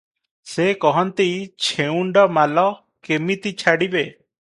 ସେ କହନ୍ତି, "ଛେଉଣ୍ଡ ମାଲ କେମିତି ଛାଡ଼ିବେ?